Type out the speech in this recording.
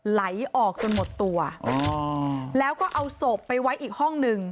ไหลออกจนหมดตัวแล้วก็เอาศพไปไว้อีกห้องหนึ่ง